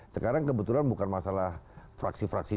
sekarang kebetulan bukan masalah fraksi fraksi